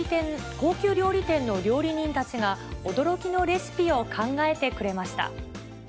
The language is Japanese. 高級料理店の料理人たちが驚きのレシピを考えてくれました。